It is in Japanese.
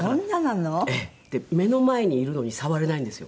目の前にいるのに触れないんですよ。